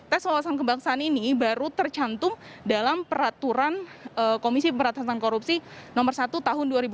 tes wawasan kebangsaan ini baru tercantum dalam peraturan komisi pemberantasan korupsi nomor satu tahun dua ribu dua puluh